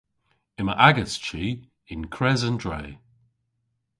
Yma agas chi yn kres an dre.